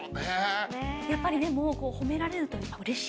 やっぱりでも褒められると嬉しい？